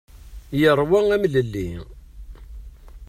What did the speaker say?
Yeṛwa amlelli.